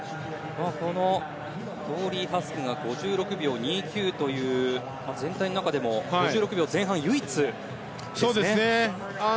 トーリー・ハスクが５６秒２９という全体の中でも５６秒前半、唯一ですね。